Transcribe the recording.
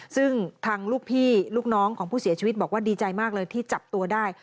ซึ่งทางลูกพี่ลูกน้องของผู้เสียชีวิตบอกว่าดีใจมากเลยที่จับตัวได้